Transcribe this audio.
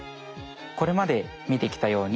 これまでみてきたように